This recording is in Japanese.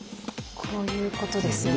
こういうことですよね。